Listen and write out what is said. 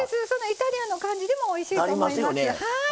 イタリアンの感じでもおいしいと思います。